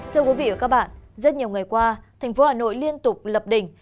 thưa quý vị và các bạn rất nhiều ngày qua thành phố hà nội liên tục lập đỉnh